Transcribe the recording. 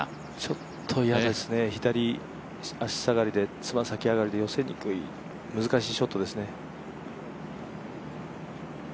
ちょっと嫌ですね、左足下がりで寄せにくい難しいショットですね。